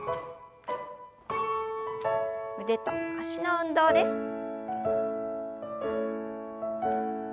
腕と脚の運動です。